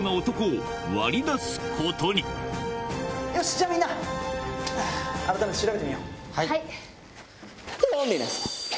じゃあみんな改めて調べてみよう。